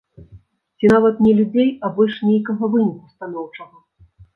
Ці нават не людзей, а больш нейкага выніку станоўчага.